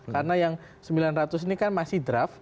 karena yang sembilan ratus ini kan masih draft